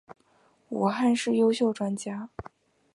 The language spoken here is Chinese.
武汉市优秀专家。